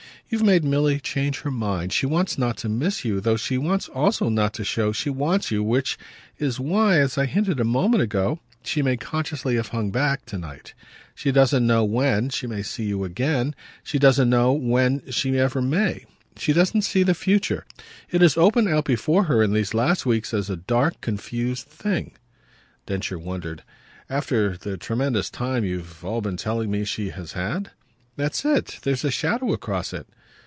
"You've made Milly change her mind. She wants not to miss you though she wants also not to show she wants you; which is why, as I hinted a moment ago, she may consciously have hung back to night. She doesn't know when she may see you again she doesn't know she ever may. She doesn't see the future. It has opened out before her in these last weeks as a dark confused thing." Densher wondered. "After the tremendous time you've all been telling me she has had?" "That's it. There's a shadow across it."